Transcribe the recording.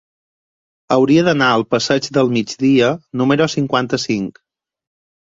Hauria d'anar al passeig del Migdia número cinquanta-cinc.